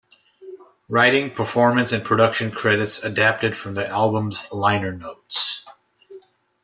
Writing, performance and production credits adapted from the album's liner notes.